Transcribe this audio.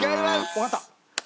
わかった！